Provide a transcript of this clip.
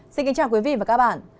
xin kính chào quý vị và các bạn